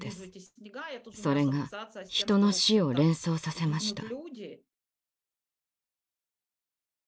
それが人の死を連想させました。